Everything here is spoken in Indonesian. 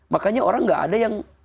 makanya orang gak ada yang